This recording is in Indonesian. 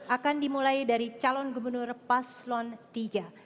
akan dimulai dari calon gubernur paslon tiga